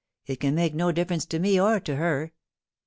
It can make no difference to me or to her.